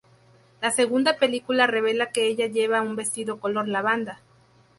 La segunda película revela que ella lleva un vestido color lavanda.